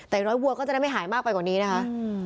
แต่น้อยวัวก็จะไม่หายมากกว่านี้นะคะ